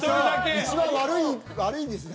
一番悪い悪いですね